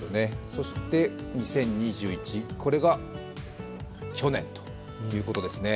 そして２０２１、これが去年ということですね。